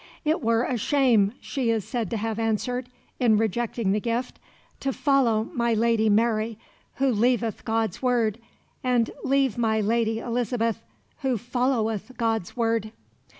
"It were a shame," she is said to have answered, in rejecting the gift, "to follow my Lady Mary, who leaveth God's Word, and leave my Lady Elizabeth, who followeth God's Word."